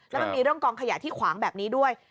แล้วมันมีเรื่องกองขยะที่ขวางแบบนี้ด้วย